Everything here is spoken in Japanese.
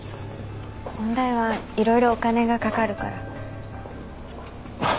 音大はいろいろお金がかかるから。